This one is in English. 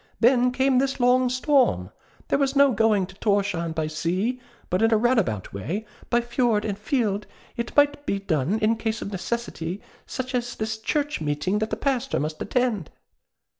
Then came this long storm. There was no going to Thorshavn by sea; but in a roundabout way, by fjord and fjeld, it might be done in a case of necessity, such as this church meeting that the Pastor must attend.